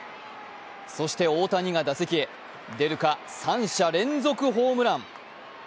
そして大谷が打席へ、出るか３者連続ホームラン。